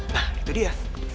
nah itu dia